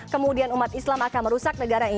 kemudian umat islam akan merusak negara ini